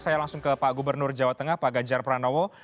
saya langsung ke pak gubernur jawa tengah pak ganjar pranowo